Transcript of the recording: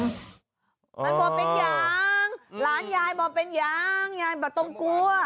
มันบอกเป็นยังหลานยายบอกเป็นยังยายบอกต้องกลัว